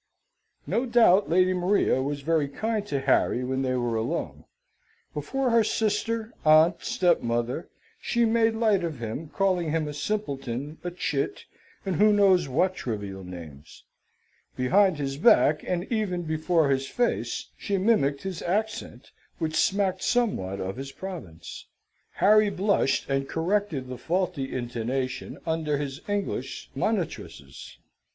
No doubt Lady Maria was very kind to Harry when they were alone. Before her sister, aunt, stepmother, she made light of him, calling him a simpleton, a chit, and who knows what trivial names? Behind his back, and even before his face, she mimicked his accent, which smacked somewhat of his province. Harry blushed and corrected the faulty intonation, under his English monitresses.